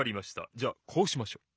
じゃあこうしましょう！